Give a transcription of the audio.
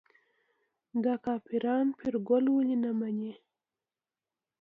دا کافران پیرګل ولې نه مني.